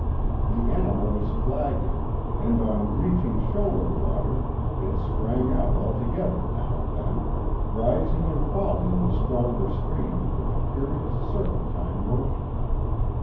The animal was flagging, and on reaching shoaler water it sprang out altogether now and then, rising and falling in the stronger stream with a curious serpentine motion.